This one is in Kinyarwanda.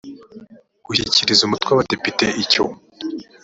gushyikiriza umutwe w abadepite icyo